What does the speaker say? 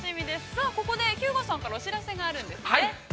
さあここで、日向さんがお知らせがあるんですね。